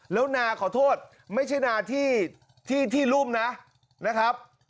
แล้วนาขอโทษไม่ใช่นาที่รุ่มนะนะครับ